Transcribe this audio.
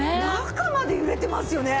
中まで揺れてますよね。